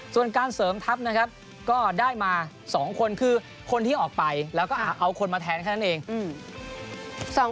ส่วนการเสริมทัพนะครับก็ได้มา๒คนคือคนที่ออกไปแล้วก็เอาคนมาแทนแค่นั้นเอง